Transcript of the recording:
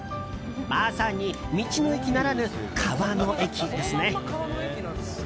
まさに、道の駅ならぬ川の駅ですね。